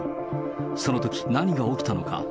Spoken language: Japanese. そのとき何が起きたのか。